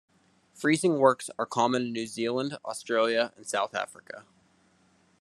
Freezing works are common in New Zealand, Australia and South Africa.